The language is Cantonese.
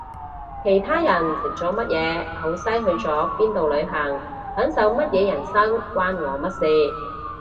其他人食咗乜嘢好西去咗邊度旅行享受乜嘢人生關我乜事